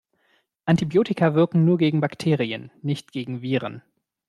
Antibiotika wirken nur gegen Bakterien, nicht gegen Viren.